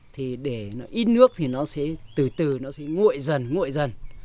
thì để nó ít nước thì từ từ nó sẽ ngội dần ngội dần